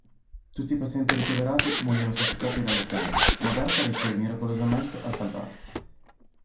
Tutti i pazienti ricoverati muoiono soffocati dalle fiamme, ma Berta riesce miracolosamente a salvarsi.